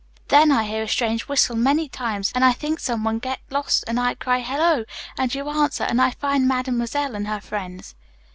Then I hear a strange whistle, many times, and I think some one get lost and I cry 'hello,' and you answer and I find mademoiselle and her friends."